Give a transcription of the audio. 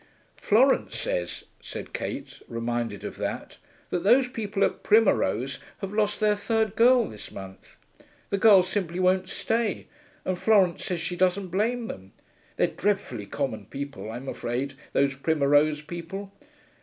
'Florence says,' said Kate, reminded of that, 'that those people at Primmerose have lost their third girl this month. The girls simply won't stay, and Florence says she doesn't blame them. They're dreadfully common people, I'm afraid, those Primmerose people.